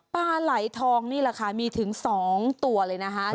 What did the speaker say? ปลาไหลทองนี่แหละค่ะมีถึง๒ตัวเลยนะคะ